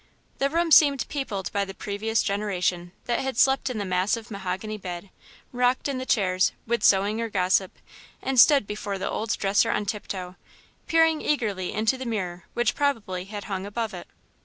The room seemed peopled by the previous generation, that had slept in the massive mahogany bed, rocked in the chairs, with sewing or gossip, and stood before the old dresser on tiptoe, peering eagerly into the mirror which probably had hung above it.